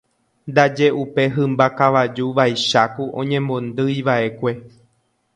ndaje upe hymba kavaju vaicháku oñemondyiva'ekue